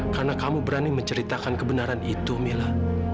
karena kamu berani menceritakan kebenaran itu mila